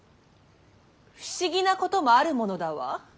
不思議なこともあるものだわ。